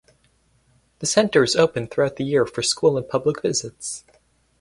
The centre is open throughout the year for school and public visits.